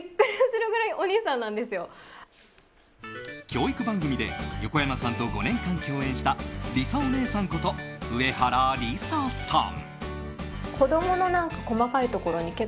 教育番組で横山さんと５年間共演したりさおねえさんこと上原りささん。